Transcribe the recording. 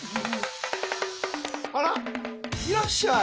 あらいらっしゃい。